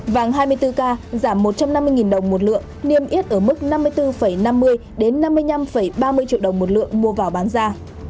vàng hai mươi bốn k giảm một trăm năm mươi đồng một lượng niêm yết ở mức năm mươi bốn năm mươi năm mươi năm ba mươi triệu đồng một lượng mua vào bán ra